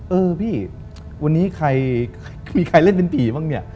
เออพี่วันนี้ใครมีใครเล่นเป็นผีบ้างเนี่ย